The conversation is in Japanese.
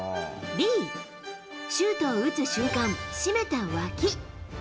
Ｂ、シュートを打つ瞬間、締めたわき。